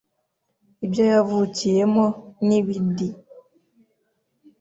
ibyo yavukiyemo n'ibidi